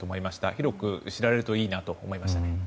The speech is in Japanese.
広く知られるといいなと思いました。